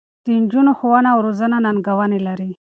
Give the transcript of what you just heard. د نجونو ښوونه او روزنه ننګونې لري.